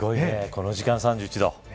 この時間３１度。